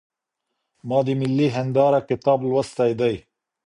ما د ملي هنداره کتاب لوستی دی.